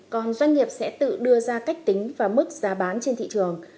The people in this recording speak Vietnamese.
còn doanh nghiệp sẽ tự đưa ra cách tính và mức giá bán trên thị trường